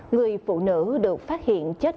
người phụ nữ được phát hiện chết